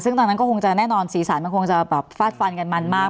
ซึ่งตอนนั้นก็คงจะแน่นอนสีสันมันคงจะแบบฟาดฟันกันมันมาก